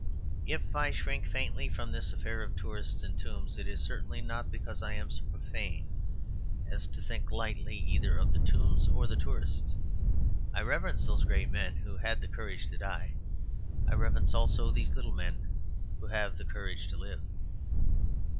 If I shrink faintly from this affair of tourists and tombs, it is certainly not because I am so profane as to think lightly either of the tombs or the tourists. I reverence those great men who had the courage to die; I reverence also these little men who have the courage to live.